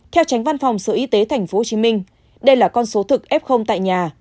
theo tránh văn phòng sở y tế tp hcm đây là con số thực f tại nhà